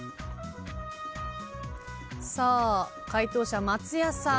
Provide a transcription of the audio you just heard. さあ解答者松也さん。